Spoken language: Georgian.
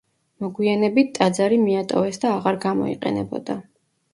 მოგვიანებით ტაძარი მიატოვეს და აღარ გამოიყენებოდა.